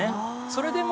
それでも。